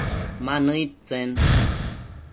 Ma nëid tsen ?